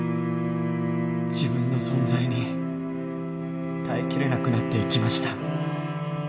自分の存在に耐えきれなくなっていきました。